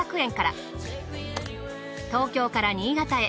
東京から新潟へ。